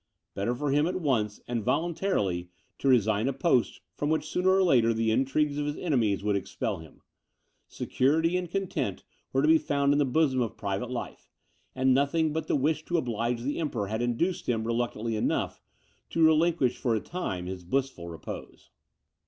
Better for him at once, and voluntarily, to resign a post from which sooner or later the intrigues of his enemies would expel him. Security and content were to be found in the bosom of private life; and nothing but the wish to oblige the Emperor had induced him, reluctantly enough, to relinquish for a time his blissful repose."